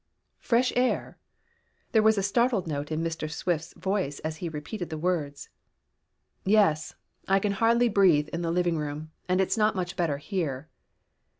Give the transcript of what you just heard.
"Fresh air!" There was a startled note in Mr. Swift's voice as he repeated the words. "Yes, I can hardly breathe in the living room, and it's not much better here."